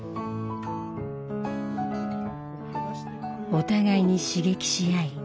お互いに刺激し合い